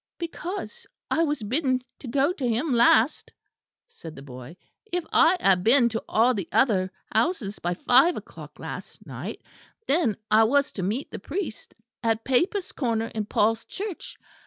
"Because I was bidden to go to him last," said the boy. "If I had been to all the other houses by five o'clock last night, then I was to meet the priest at Papists' Corner in Paul's Church.